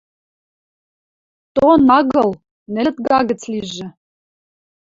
Тонн агыл, нӹлӹт га гӹц лижӹ